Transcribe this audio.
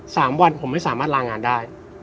สามวันผมไม่สามารถลางานได้